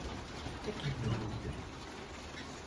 Ad ken-nḥudd.